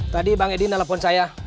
tadi bang edi nelfon saya